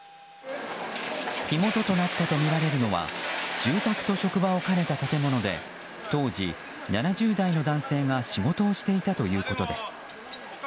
火元となったとみられるのは住宅と職場を兼ねた建物で当時、７０代の男性が仕事をしていたということです。